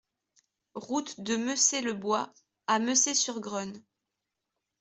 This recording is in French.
Route de Messey-le-Bois à Messey-sur-Grosne